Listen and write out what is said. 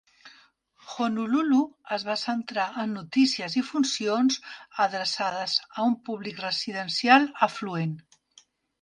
"Honolulu" es va centrar en notícies i funcions adreçades a un públic residencial afluent.